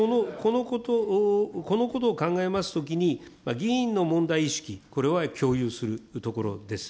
このことを考えますときに、議員の問題意識、これは共有するところです。